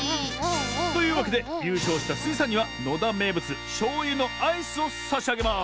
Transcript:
というわけでゆうしょうしたスイさんにはのだめいぶつしょうゆのアイスをさしあげます。